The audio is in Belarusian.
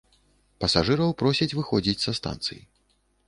Пасажыраў просяць выходзіць са станцый.